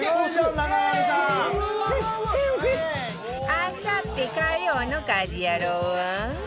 あさって火曜の『家事ヤロウ！！！』は